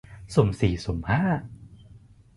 สุ่มสี่สุ่มห้า